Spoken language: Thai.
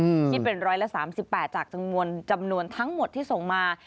คิดเป็นร้อยละ๓๘จากจำนวนทั้งหมดที่ส่งมา